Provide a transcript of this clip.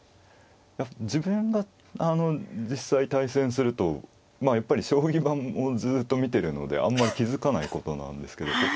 自分が実際対戦するとやっぱり将棋盤をずっと見てるのであんまり気付かないことなんですけど。